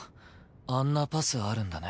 あんなパスあるんだね。